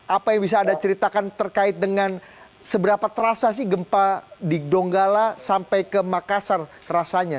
apa yang bisa anda ceritakan terkait dengan seberapa terasa sih gempa di donggala sampai ke makassar rasanya